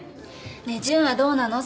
ねえ純はどうなの？